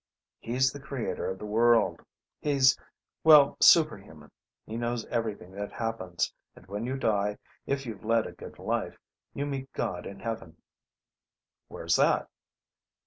"He's the creator of the world. He's ... well, superhuman. He knows everything that happens, and when you die, if you've led a good life, you meet God in Heaven." "Where's that?"